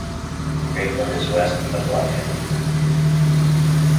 Grapeland is west of Lufkin.